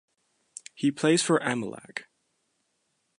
He plays for Emelec.